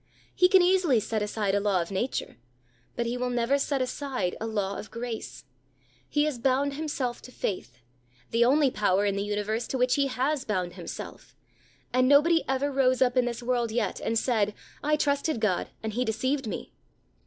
He can easily set aside a law of nature; but He will never set aside a law of grace. He has bound Himself to faith the only power in the universe to which He has bound Himself and nobody ever rose up in this world yet, and said, "I trusted God, and He deceived me."